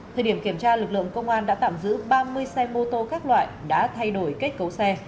thời điểm kiểm tra lực lượng công an đã tạm giữ ba mươi xe mô tô các loại đã thay đổi kết cấu xe